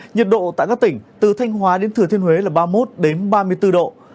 nhiệt độ tại các tỉnh từ thanh hóa đến thừa thiên huế là ba mươi một ba mươi bốn độ